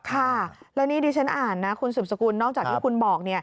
ค่ะแล้วนี่ดิฉันอ่านนะคุณสืบสกุลนอกจากที่คุณบอก